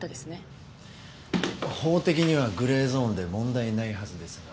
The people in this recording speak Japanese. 法的にはグレーゾーンで問題ないはずですが。